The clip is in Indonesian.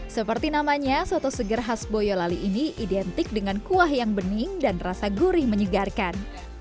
seperti namanya soto seger khas boyolali ini identik dengan kuah yang bening dan rasa gurih menyegarkan